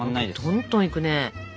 とんとんいくね。